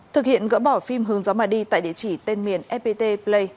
thực hiện gỡ bỏ phim hướng gió mà đi tại địa chỉ tên miền fpt play